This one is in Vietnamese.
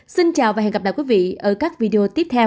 xin chào và hẹn gặp lại quý vị ở các video tiếp theo